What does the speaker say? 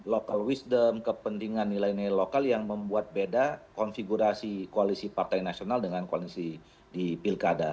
local wisdom kepentingan nilai nilai lokal yang membuat beda konfigurasi koalisi partai nasional dengan koalisi di pilkada